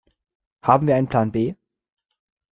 Haben wir einen Plan B?